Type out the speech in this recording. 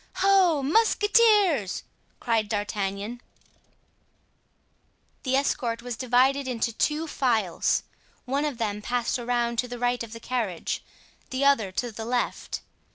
"Ho! Musketeers!" cried D'Artagnan. The escort divided into two files. One of them passed around to the right of the carriage, the other to the left.